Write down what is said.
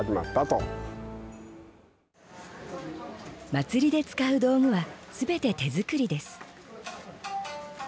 祭りで使う道具は全て手作りです。